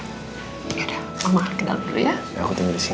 gak ada apa apa cuma mau tidur aja